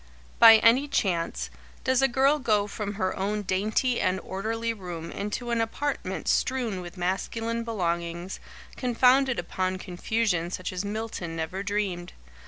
By any chance, does a girl go from her own dainty and orderly room into an apartment strewn with masculine belongings, confounded upon confusion such as Milton never dreamed?